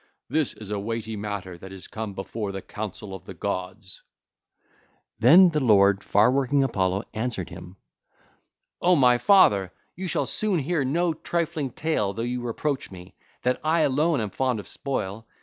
This is a weighty matter that is come before the council of the gods.' (ll. 333 364) Then the lord, far working Apollo, answered him: 'O my father, you shall soon hear no trifling tale though you reproach me that I alone am fond of spoil.